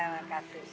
nah ini emak cemunya